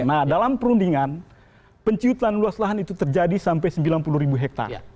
nah dalam perundingan penciutan luas lahan itu terjadi sampai sembilan puluh ribu hektare